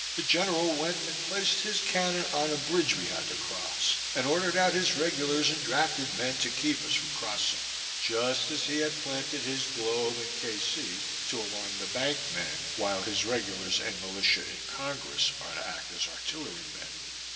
The general went and placed his cannon on a bridge we had to cross, and ordered out his regulars and drafted men to keep us from crossing; just as he has planted his Globe and K. C. to alarm the bank men, while his regulars and militia in Congress are to act as artillery men.